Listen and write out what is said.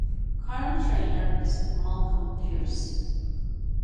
Current Trainer is Malcolm Pierce.